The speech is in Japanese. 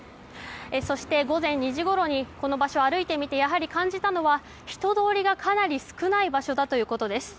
そして、午前２時ごろにこの場所を歩いてみて感じたのは人通りが、かなり少ない場所だということです。